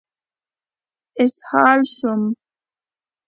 اسهال شوم.